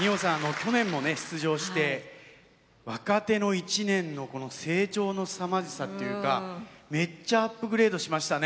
去年もね出場して若手の一年のこの成長のすさまじさっていうかめっちゃアップグレードしましたね。